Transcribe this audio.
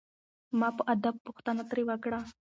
ما په ادب پوښتنه ترې وکړه.